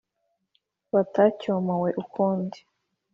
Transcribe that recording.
batacyomowe ukundi.